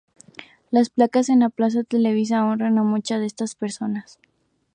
Las placas en la Plaza Televisa honran a muchas de estas personas.